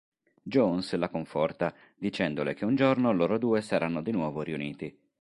Jones la conforta dicendole che un giorno loro due saranno di nuovo riuniti.